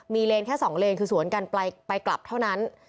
เลนแค่๒เลนคือสวนกันไปกลับเท่านั้น